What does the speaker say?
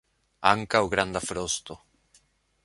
Ankaŭ granda frosto.